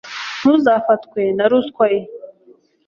ntuzafatwe na ruswa ye